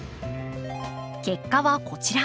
結果はこちら。